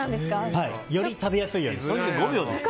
より食べやすいようにしています。